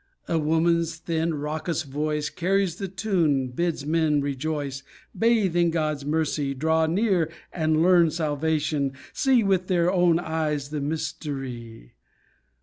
A woman's thin, raucous voice Carries the tune, bids men rejoice, Bathe in God's mercy, Draw near and learn salvation, see With their own eyes the mystery.